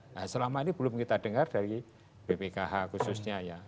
nah selama ini belum kita dengar dari bpkh khususnya ya